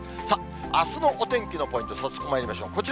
さあ、あすのお天気のポイント、早速まいりましょう。